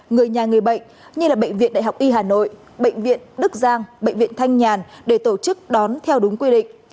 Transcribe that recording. người nhà người bệnh như bệnh viện đại học y hà nội bệnh viện đức giang bệnh viện thanh nhàn để tổ chức đón theo đúng quy định